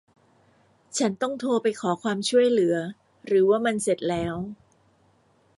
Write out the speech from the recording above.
ฉันต้องโทรไปขอความช่วยเหลือ หรือ ว่ามันเสร็จแล้ว